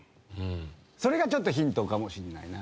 それがちょっとヒントかもしれないな。